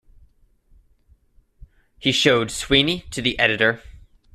He showed Sweeney to the editor.